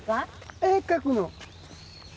絵描くの。